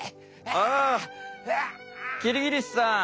ああキリギリスさん！